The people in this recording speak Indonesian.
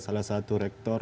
salah satu rektor